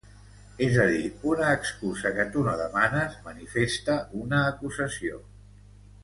És a dir, una excusa que tu no demanes manifesta una acusació.